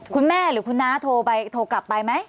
คุณแม่หรือคุณน้าโทรกลับไปไหม